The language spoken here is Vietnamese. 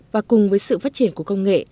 và cùng với sự phát triển của công nghệ